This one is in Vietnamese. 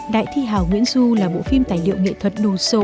đại thi hào nguyễn du là bộ phim tài liệu nghệ thuật đồ sộ